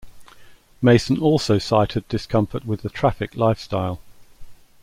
Mason also cited discomfort with the Traffic lifestyle.